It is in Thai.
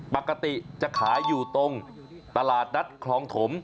ปกติจะขายอยู่ตรงตลาดนัดคลองถม